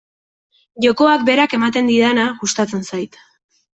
Jokoak berak ematen didana gustatzen zait.